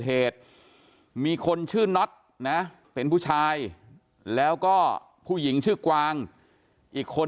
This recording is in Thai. เหตุมีคนชื่อน็อตนะเป็นผู้ชายแล้วก็ผู้หญิงชื่อกวางอีกคน